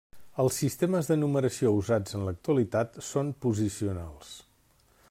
Els sistemes de numeració usats en l'actualitat són posicionals.